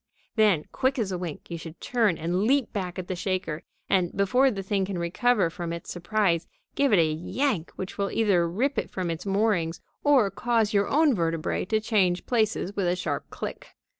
Then, quick as a wink, you should turn and leap back at the shaker, and, before the thing can recover from its surprise, give it a yank which will either rip it from its moorings or cause your own vertebræ to change places with a sharp click.